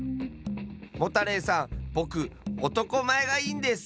モタレイさんぼくおとこまえがいいんです！